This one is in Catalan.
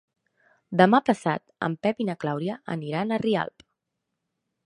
Demà passat en Pep i na Clàudia aniran a Rialp.